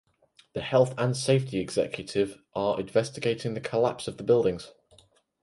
The Health and Safety Executive are investigating the collapse of the buildings.